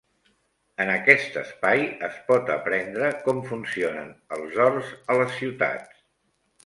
En aquest espai es pot aprendre com funcionen els horts a les ciutats.